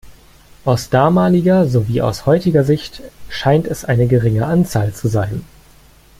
Aus damaliger sowie aus heutiger Sicht scheint es eine geringe Anzahl zu sein.